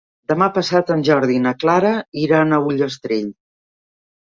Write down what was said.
Demà passat en Jordi i na Clara iran a Ullastrell.